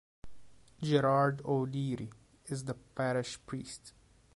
Gerard o Leary is the parish priest.